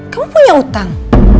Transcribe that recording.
kamu punya hutang